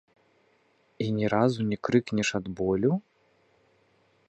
І ні разу не крыкнеш ад болю?